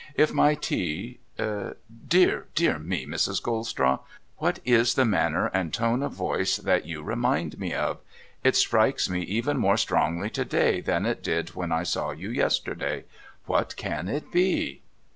' If my tea Dear, dear me, Mrs. Gold straw ! what is the manner and tone of voice that you remind me of? It strikes me even more strongly to day, than it did when I saw you yesterday. What can it be